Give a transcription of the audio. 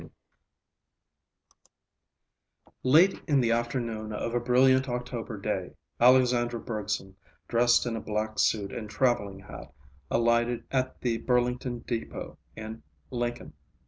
II Late in the afternoon of a brilliant October day, Alexandra Bergson, dressed in a black suit and traveling hat, alighted at the Burlington depot in Lincoln.